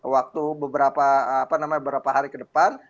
waktu beberapa hari ke depan